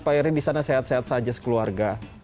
pak heri disana sehat sehat saja sekeluarga